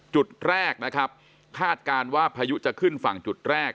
จุดแรกนะครับคาดการณ์ว่าพายุจะขึ้นฝั่งจุดแรก